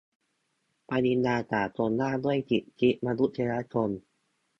ปฏิญญาสากลว่าด้วยสิทธิมนุษยชน